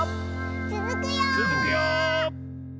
つづくよ！